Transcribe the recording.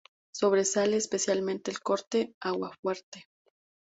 Sobresale especialmente el corte 'Aguafuerte'".